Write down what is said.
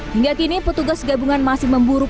hingga kini petugas gabungan masih memburu